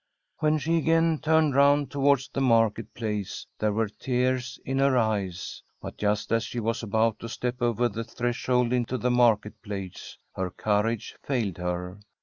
When she again turned rooad towards the Market Place there were tears itt ber eyes. Bui just as she was about to step over the threshold into the Market Place her courage failed her.